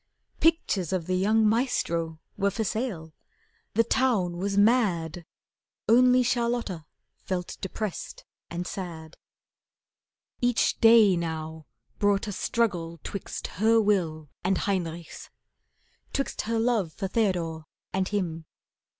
Pictures of the young "Maestro" were for sale. The town was mad. Only Charlotta felt depressed and sad. Each day now brought a struggle 'twixt her will And Heinrich's. 'Twixt her love for Theodore And him.